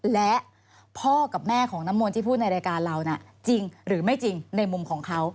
และพ่อกับแม่ของน้ำมนต์ที่พูดในรายการเราน่ะจริงหรือไม่จริงในมุมของเขา